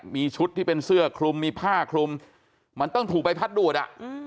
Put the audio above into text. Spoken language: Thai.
มีชุดที่เป็นเสื้อคลุมมีผ้าคลุมมันต้องถูกใบพัดดูดอ่ะ